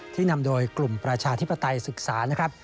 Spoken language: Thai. นำโดยกลุ่มประชาธิปไตยศึกษานะครับ